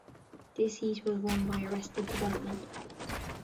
This heat was won by Arrested Development.